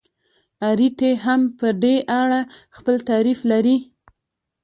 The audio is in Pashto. اریټي هم په دې اړه خپل تعریف لري.